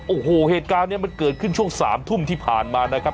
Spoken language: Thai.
โอ้โหเหตุการณ์นี้มันเกิดขึ้นช่วง๓ทุ่มที่ผ่านมานะครับ